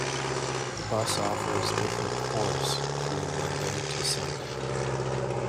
The bus offers different course through Monday to Sunday.